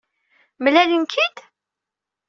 Mlalen-k-id?